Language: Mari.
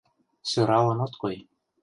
Сӧралын от кой...